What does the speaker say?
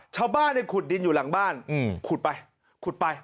ชาวบ้านขุดดินอยู่หลังบ้านขุดไปขุดไป